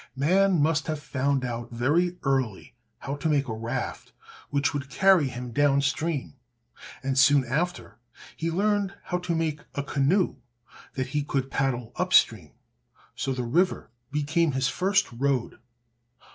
Man must have found out very early how to make a raft which would carry him down stream, and soon after he learned how to make a canoe that he could paddle up stream. So the river became his first road.